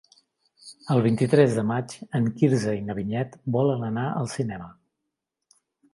El vint-i-tres de maig en Quirze i na Vinyet volen anar al cinema.